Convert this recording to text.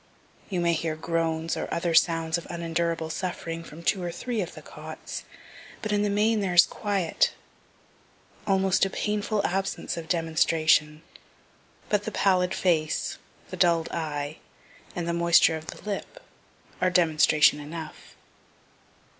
You may hear groans or other sounds of unendurable suffering from two or three of the cots, but in the main there is quiet almost a painful absence of demonstration; but the pallid face, the dull'd eye, and the moisture of the lip, are demonstration enough.